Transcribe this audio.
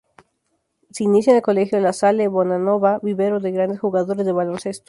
Se inicia en el Colegio La Salle Bonanova, vivero de grandes jugadores de baloncesto.